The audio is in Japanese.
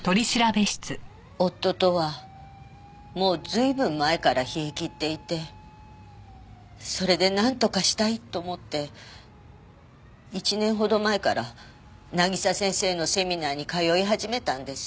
夫とはもう随分前から冷えきっていてそれでなんとかしたいと思って１年ほど前から渚先生のセミナーに通い始めたんです。